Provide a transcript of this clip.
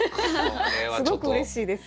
すごくうれしいです。